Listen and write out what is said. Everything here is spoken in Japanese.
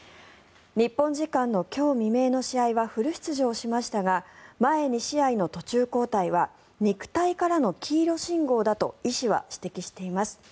日本時間の今日未明の試合はフル出場しましたが前２試合の途中交代は肉体からの黄色信号だと医師は指摘しています。